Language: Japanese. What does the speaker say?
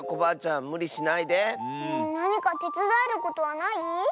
なにかてつだえることはない？